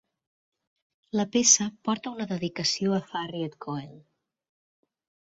La peça porta una dedicació a Harriet Cohen.